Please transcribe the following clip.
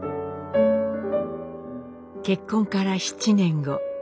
結婚から７年後。